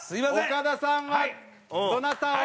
岡田さんはどなたを。